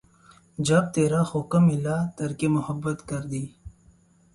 جب ترا حکم ملا ترک محبت کر دی